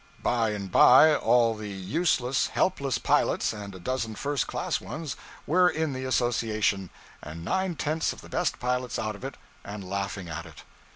By and by, all the useless, helpless pilots, and a dozen first class ones, were in the association, and nine tenths of the best pilots out of it and laughing at it.